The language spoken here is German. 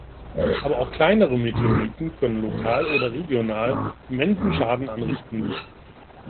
Aber auch kleinere Meteoriten können lokal oder regional immensen Schaden anrichten.